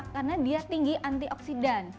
karena dia tinggi antioksidan